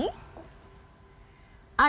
ini di taman sari